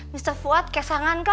mr fuad seperti orang tua